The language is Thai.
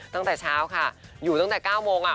ตั้งแต่เช้าค่ะอยู่ตั้งแต่๙โมง